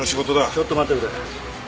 ちょっと待ってくれ。